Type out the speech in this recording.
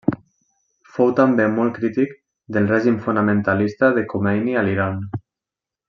Fou també molt crític del règim fonamentalista de Khomeini a l'Iran.